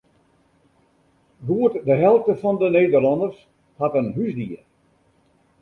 Goed de helte fan de Nederlanners hat in húsdier.